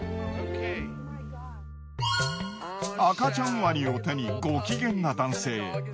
赤ちゃんワニを手にご機嫌な男性。